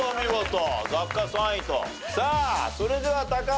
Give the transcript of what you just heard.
さあそれでは高橋。